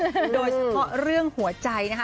โดยเฉพาะเรื่องหัวใจนะคะ